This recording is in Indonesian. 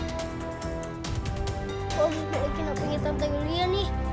aku mau ngelekin hpnya tante yulia nih